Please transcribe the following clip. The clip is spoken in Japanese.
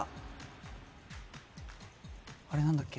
あれ何だっけ？